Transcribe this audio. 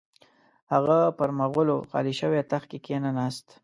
هغه پر مغولو خالي شوي تخت کښې نه ناست.